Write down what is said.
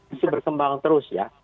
ini berkembang terus ya